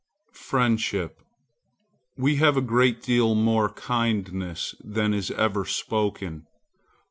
FRIENDSHIP We have a great deal more kindness than is ever spoken.